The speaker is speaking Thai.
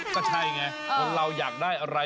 ก็ใช่ไงคนเราอยากได้อะไร